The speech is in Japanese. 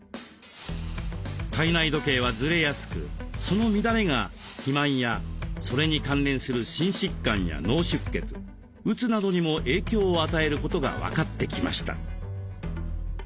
体内時計はずれやすくその乱れが肥満やそれに関連する心疾患や脳出血うつなどにも影響を与えることが分かってきました。